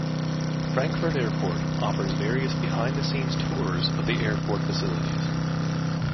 Frankfurt Airport offers various behind-the-scenes tours of the airport facilities.